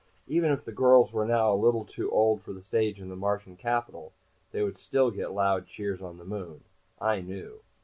Even if the girls were now a little too old for the stage in the Martian capital, they would still get loud cheers on the Moon. I knew.